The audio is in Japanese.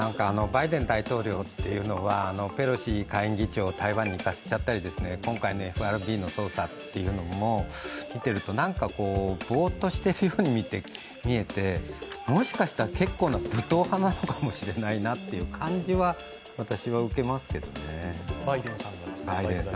バイデン大統領はペロシ下院議長を台湾に行かせちゃったり今回のＦＲＢの捜査というのも見てると、ぼーっとしているように見えてもしかしたらバイデンさんは結構な武闘派なのかもしれないなという感じは私は受けますけどね。